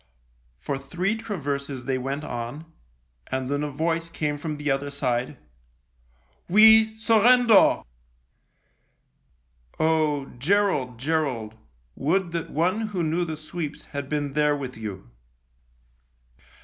For three traverses they went on, and then a voice came from the other side, " We surrender." Oh ! Gerald, Gerald, would that one who knew the sweeps had been there with you